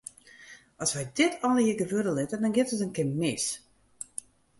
As wy dit allegear gewurde litte, dan giet it in kear mis.